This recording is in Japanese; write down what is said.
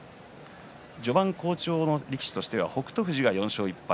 序盤好調の力士としては北勝富士４勝１敗